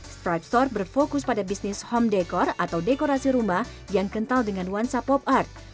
stripe store berfokus pada bisnis home decor atau dekorasi rumah yang kental dengan nuansa pop art